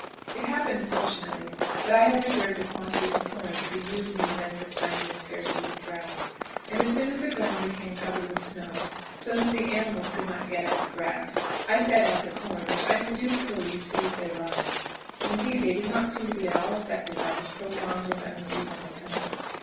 It happened, fortunately, that I had reserved a quantity of corn to be used in the event of finding a scarcity of grass, and as soon as the ground became covered with snow, so that the animals could not get at the grass, I fed out the corn, which I am induced to believe saved their lives. Indeed, they did not seem to be at all affected by this prolonged and unseasonable tempest.